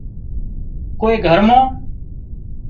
ڪوئي گھر مان